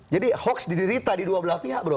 jadi hoax diderita di dua belah pihak bro